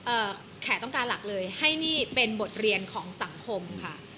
แขกต้องการหลักเลยให้นี่เป็นบทเรียนของสังคมค่ะ